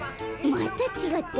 またちがった。